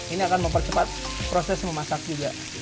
ini akan mempercepat proses memasak juga